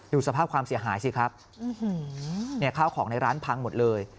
สภาพความเสียหายสิครับเนี่ยข้าวของในร้านพังหมดเลย